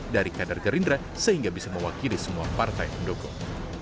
dari kader gerindra sehingga bisa mewakili semua partai pendukung